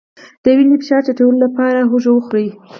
د وینې فشار ټیټولو لپاره هوږه وخورئ